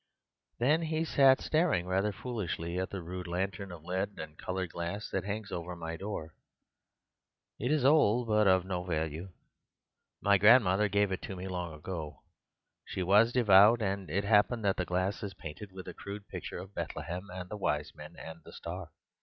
Then he sat staring rather foolishly at the rude lantern of lead and coloured glass that hangs over my door. It is old, but of no value; my grandmother gave it to me long ago: she was devout, and it happens that the glass is painted with a crude picture of Bethlehem and the Wise Men and the Star.